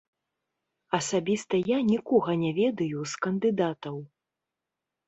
Асабіста я нікога не ведаю з кандыдатаў.